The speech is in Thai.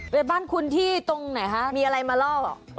ไปบ้านคุณที่ตรงไหนคะมีอะไรมาล่อ